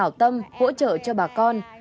học hảo tâm hỗ trợ cho bà con